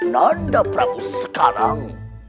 nanda prabu sekarang